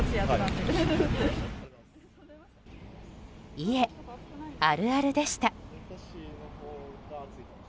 いえ、あるあるでした。